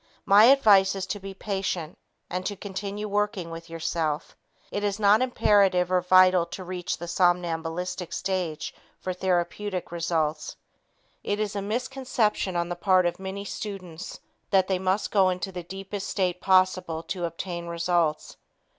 My advice is to be patient and to continue working with yourself. It is not imperative or vital to reach the somnambulistic stage for therapeutic results. It is a misconception on the part of many students that they must go into the deepest state possible to obtain results.